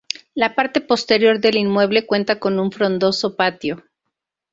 La parte posterior del inmueble cuenta con un frondoso patio.